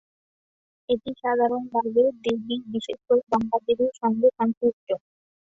এটি সাধারণভাবে দেবী বিশেষ করে গঙ্গা দেবীর সঙ্গে সংশ্লিষ্ট।